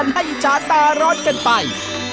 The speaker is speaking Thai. ให้อิจฉาตาร้อนกันไป